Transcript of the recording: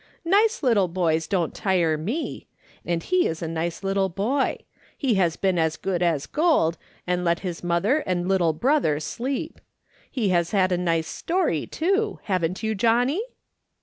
" Nice little boys don't tire me ; and he is a nice little boy ; he has been as good as gold, and let his mother and little brother sleep. He has had a nice story, too. Haven't you Johnny